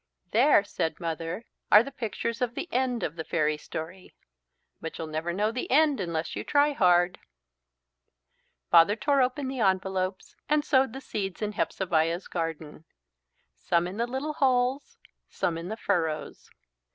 "There," said Mother, "are the pictures of the end of the fairy story. But you'll never know the end unless you try hard." Father tore open the envelopes and sowed the seeds in Hepzebiah's garden, some in the little holes, some in the furrows.